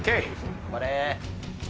頑張れ。